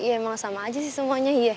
ya emang sama aja sih semuanya iya